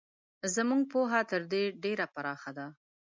زموږ پوهه تر دې ډېره پراخه ده.